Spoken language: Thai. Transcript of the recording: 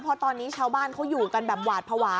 เพราะตอนนี้ชาวบ้านเขาอยู่กันแบบหวาดภาวะ